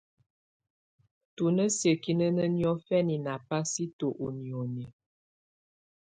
Tù nà siǝ́kinǝnǝ́ niɔ̀fɛna nà pasto ù nioni.